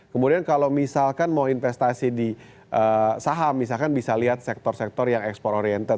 kemudian kalau misalkan mau investasi di saham misalkan bisa lihat sektor sektor yang ekspor oriented